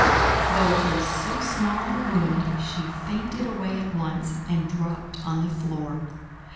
Though it was so small a wound, she fainted away at once and dropped on the floor.